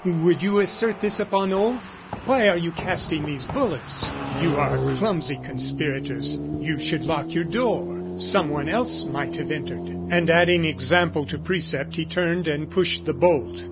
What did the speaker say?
"Would you assert this upon oath? Why are you casting these bullets? You are clumsy conspirators. You should lock your door; someone else might have entered." And adding example to precept, he turned and pushed the bolt.